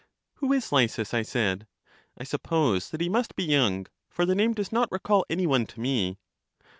LYSIS 51 Who is Lysis? I said: I suppose that he must be young ; for the name does not recall any one to me.